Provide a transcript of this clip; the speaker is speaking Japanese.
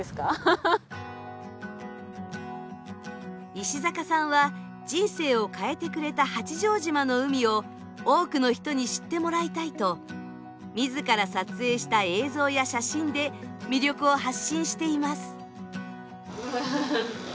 石坂さんは人生を変えてくれた八丈島の海を多くの人に知ってもらいたいと自ら撮影した映像や写真で魅力を発信しています。